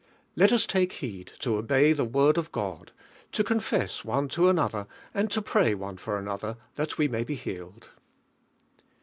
Let us lake herd In obey the Word of God, to confess one to an otlier and to pray one for another that we may he healed.